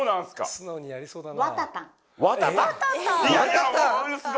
素直にやりそうだな。え！？